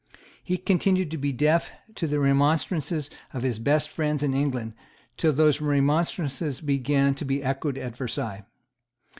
He continued to be deaf to the remonstrances of his best friends in England till those remonstrances began to be echoed at Versailles.